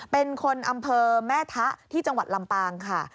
เป็นคนอำเภอแม่ทะที่จังหวัดลำปางค่ะ